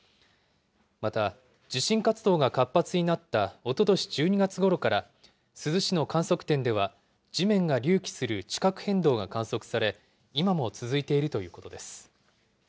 また、地震活動が活発になったおととし１２月ごろから、珠洲市の観測点では地面が隆起する地殻変動が観測され、今も続いているということです。